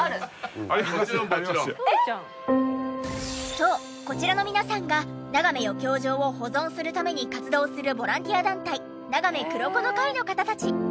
そうこちらの皆さんがながめ余興場を保存するために活動をするボランティア団体ながめ黒子の会の方たち。